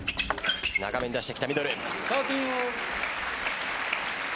長めに出してきたミドル。